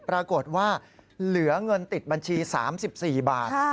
ปรากฏว่าเหลือเงินติดบัญชี๓๔บาท